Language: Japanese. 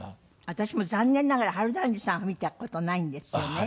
私も残念ながら春団治さん見た事ないんですよね。